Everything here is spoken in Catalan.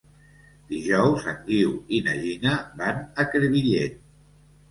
Dijous en Guiu i na Gina van a Crevillent.